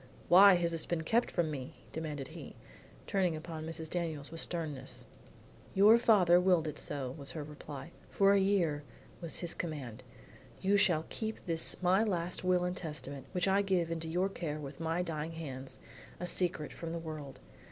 "Why has this been kept from me?" demanded he, turning upon Mrs. Daniels with sternness. "Your father so willed it," was her reply. "'For a year' was his command, 'you shall keep this my last will and testament which I give into your care with my dying hands, a secret from the world.